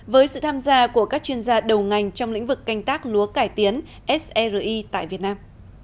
với sự tham gia của các chuyên gia đầu ngành trong lĩnh vực canh tác lúa cải tiến sri tại việt nam